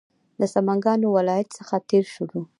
د سمنګانو ولایت څخه تېر شولو.